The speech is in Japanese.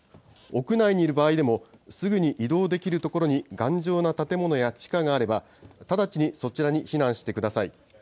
屋内にいる場合でも、すぐに移動できる所に頑丈な建物や地下があれば、直ちにそちらに避難してください。